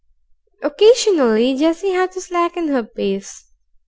Occasionally Jessie had to slacken her pace.